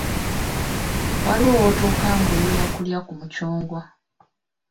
Waliwo w'otuuka ng'oyoya kulya ku mucungwa.